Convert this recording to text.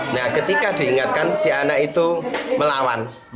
nah ketika diingatkan si anak itu melawan